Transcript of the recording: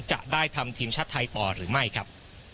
จะได้ทำทีมชาติไทยต่อหรือไม่ครับ